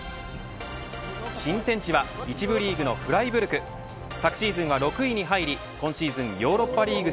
新天地は１部リーグのフライブルク。昨シーズンは６位に入り今シーズンヨーロッパリーグ